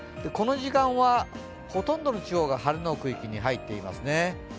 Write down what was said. この時間はほとんどの地方が晴れの区域に入ってますね。